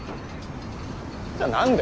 じゃ何で？